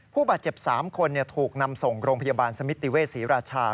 ผู้บาดเจ็บ๓คนถูกนำส่งโรงพยาบาลสมิติเวศรีราชา